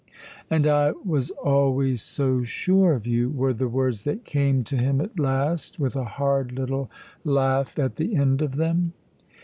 "And I was always so sure of you!" were the words that came to him at last, with a hard little laugh at the end of them.